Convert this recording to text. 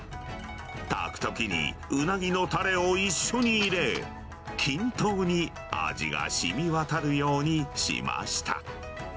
炊くときにウナギのたれを一緒に入れ、均等に味がしみわたるようにしました。